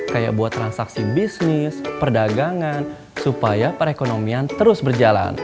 kayak buat transaksi bisnis perdagangan supaya perekonomian terus berjalan